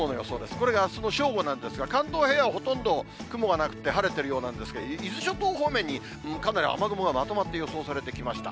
これがあすの正午なんですが、関東平野はほとんど雲はなくて晴れてるようなんですが、伊豆諸島方面にかなり雨雲がまとまって予想されてきました。